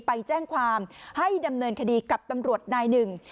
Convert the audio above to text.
ไปแจ้งความให้ดำเนินคดีกับตำรวจนายหนึ่ง